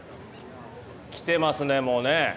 きてますねもうね。